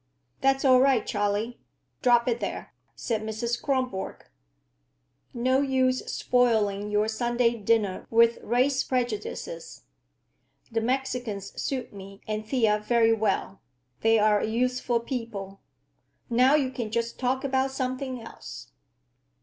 "That's all right, Charley. Drop it there," said Mrs. Kronborg. "No use spoiling your Sunday dinner with race prejudices. The Mexicans suit me and Thea very well. They are a useful people. Now you can just talk about something else."